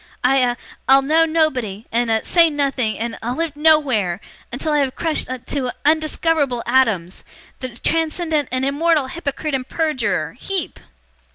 I a I'll know nobody and a say nothing and a live nowhere until I have crushed to a undiscoverable atoms the transcendent and immortal hypocrite and perjurer HEEP!